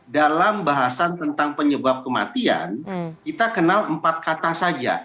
dalam bahasan tentang penyebab kematian kita kenal empat kata saja